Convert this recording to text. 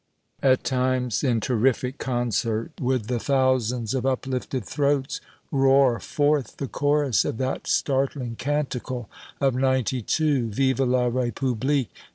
At times, in terrific concert, would the thousands of uplifted throats roar forth the chorus of that startling canticle of '92: "Vive la république!